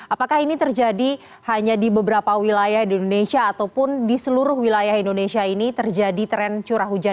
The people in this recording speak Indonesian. apakah ini terjadi hanya di beberapa wilayah di indonesia ataupun di seluruh wilayah indonesia ini terjadi tren curah hujan